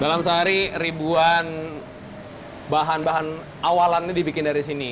dalam sehari ribuan bahan bahan awalannya dibikin dari sini